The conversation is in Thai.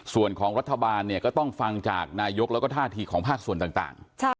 ส่วนของรัฐบาลเนี่ยก็ต้องฟังจากนายกแล้วก็ท่าทีของภาคส่วนต่าง